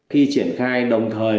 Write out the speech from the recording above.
khi triển khai đồng thời